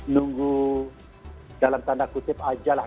nunggu dalam tanda kutip aja lah